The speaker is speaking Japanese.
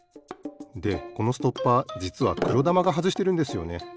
でこのストッパーじつはくろだまがはずしてるんですよね。